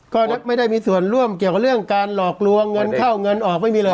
ก็ไม่ได้มีส่วนร่วมเกี่ยวกับเรื่องการหลอกลวงเงินเข้าเงินออกไม่มีเลย